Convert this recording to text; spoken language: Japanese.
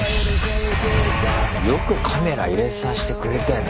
よくカメラ入れさせてくれたよね。